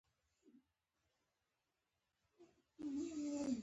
په هماغه هوټل کې مو درې اونۍ تېرې کړې چې بدې نه وې.